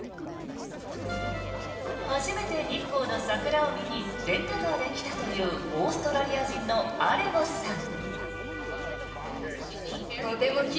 初めて日光の桜を見にレンタカーで来たというオーストラリア人のアレゴスさん。